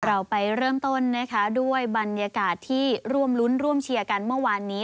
เราไปเริ่มต้นนะคะด้วยบรรยากาศที่ร่วมรุ้นร่วมเชียร์กันเมื่อวานนี้